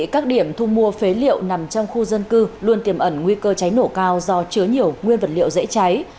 các điểm thu mua phế liệu nằm trong khu dân cư luôn tiềm ẩn nguy cơ cháy nổ cao do chứa nhiều nguyên vật liệu dễ cháy